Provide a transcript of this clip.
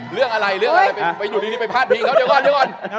เรื่องอะไรเรื่องอะไรไปอยู่ดีไปพาดพิงเขาเดี๋ยวก่อนเดี๋ยวก่อน